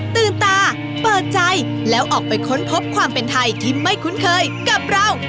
ตื่นตาเปิดใจแล้วออกไปค้นพบความเป็นไทยที่ไม่คุ้นเคยกับเรา